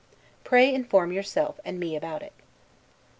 Pray inform yourself and me about it.